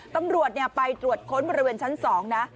ตำรวจไปตรวจค้นบริเวณชั้น๒นะ